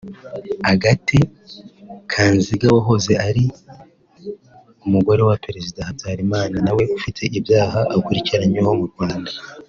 Agathe Kanziga wahoze ari umugore wa Perezida Habyarimana nawe ufite ibyaha akurikiranyweho mu Rwanda